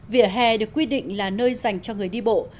vỉa hè được quy định là nơi dành cho người đi bộ